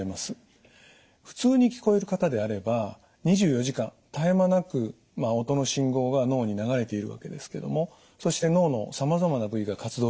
普通に聞こえる方であれば２４時間絶え間なく音の信号が脳に流れているわけですけどもそして脳のさまざまな部位が活動します。